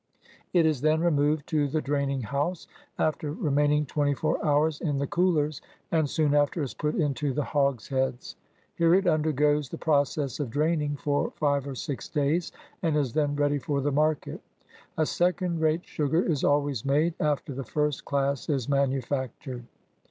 It is then removed to the draining house, after remaining twenty four hours in the coolers, and soon after is put into the hogsheads. Here it undergoes the process of draining for five or six days, and is then ready for the market. A second rate sugar is always made, after the first class is manufactured.